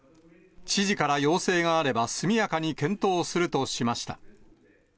知事から要請があれば、速やかに検討するとしました。